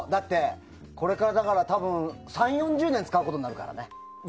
これから３０４０年使うことになるからね。